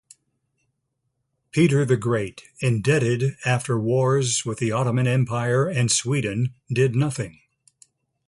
Peter the Great, indebted after wars with the Ottoman Empire and Sweden, did nothing.